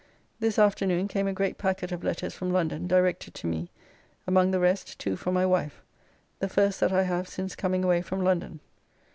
This afternoon came a great packet of letters from London directed to me, among the rest two from my wife, the first that I have since coming away from London.